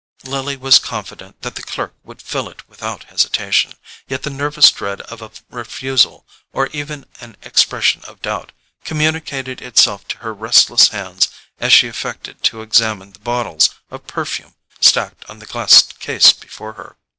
Lily was confident that the clerk would fill it without hesitation; yet the nervous dread of a refusal, or even of an expression of doubt, communicated itself to her restless hands as she affected to examine the bottles of perfume stacked on the glass case before her.